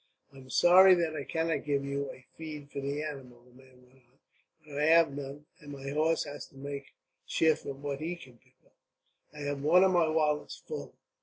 "I am sorry that I cannot give you a feed for the animal," the man went on; "but I have none, and my horse has to make shift with what he can pick up." "I have one of my wallets full.